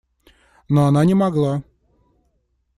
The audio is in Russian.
Но она не могла.